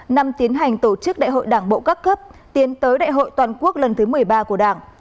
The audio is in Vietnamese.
năm tiến hành tổ chức đại hội đảng bộ các cấp tiến tới đại hội toàn quốc lần thứ một mươi ba của đảng